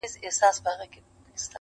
بېگانه مو په مابین کي عدالت دئ.!